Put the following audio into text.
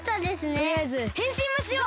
とりあえずへんしんはしよう！